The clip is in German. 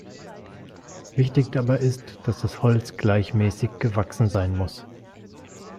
Wichtig dabei ist, dass das Holz gleichmäßig gewachsen sein muss.